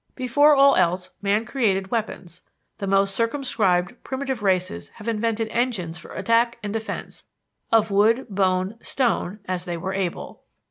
Before all else, man created weapons: the most circumscribed primitive races have invented engines for attack and defense of wood, bone, stone, as they were able.